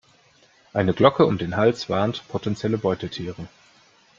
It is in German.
Eine Glocke um den Hals warnt potenzielle Beutetiere.